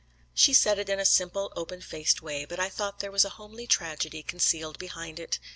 She said it in a simple, open faced way, but I thought there was a homely tragedy concealed behind it.